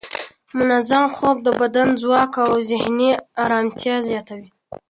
منظم خوب د بدن ځواک او ذهني ارامتیا زیاتوي.